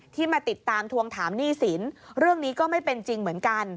มาติดตามทวงถามหนี้สินเรื่องนี้ก็ไม่เป็นจริงเหมือนกัน